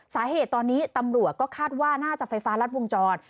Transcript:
สาเหตุตอนนี้ตำรวจก็คาดว่าน่าจะไฟฟ้ารัดวงจร